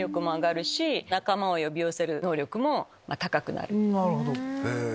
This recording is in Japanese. なるほど。